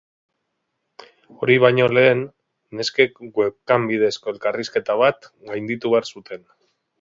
Hori baino lehen, neskek webcam bidezko elkarrizketa bat gainditu behar zuten.